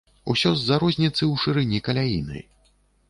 Усё з-за розніцы ў шырыні каляіны.